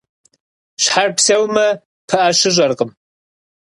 Щхьэр псэумэ, пыӀэ щыщӀэркъым.